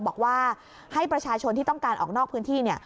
บอกว่าให้ประชาชนที่ต้องการออกนอกพื้นที่เนี่ย